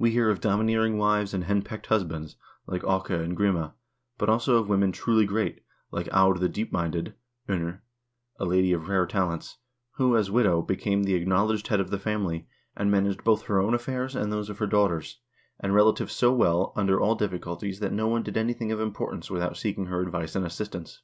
^\V hear of domineering wives and hen pecked husbands, like Aake and Grima, but also of women truly great, like Aud the Deepminded (Innr), a lady of rare talents, who, as widow, became the acknowl edged head of the family, and managed both her own affairs and those of her daughters and relatives so well under all difficulties that no one did anything of importance without seeking her advice and assistance.